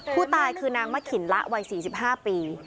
ผู้ตายคือนางมะขินละวัย๔๕ปี